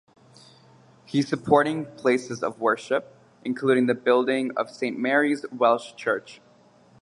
He supporting places of worship, including the building of Saint Mary's Welsh Church.